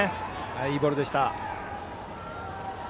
いいボールでした。